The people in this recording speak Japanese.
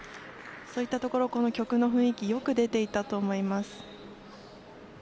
そういったところこの曲の雰囲気よく出ていたと思います。